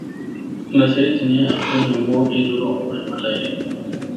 La serie tenía acción y humor y duró un año al aire.